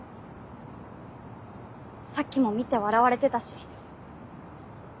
さっきも見て笑われてたし。